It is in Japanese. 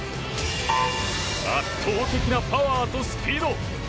圧倒的なパワーとスピード。